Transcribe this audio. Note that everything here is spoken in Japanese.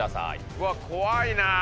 うわっ怖いな。